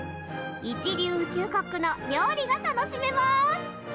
一流宇宙コックの料理が楽しめます！